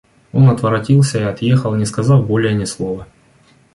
Он отворотился и отъехал, не сказав более ни слова.